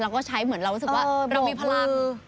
เราก็ใช้เหมือนเรารู้สึกว่าเรามีพลัง